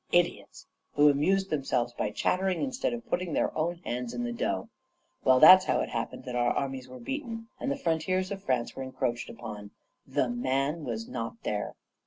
Idiots! who amused themselves by chattering, instead of putting their own hands in the dough. Well, that's how it happened that our armies were beaten, and the frontiers of France were encroached upon: THE MAN was nor there.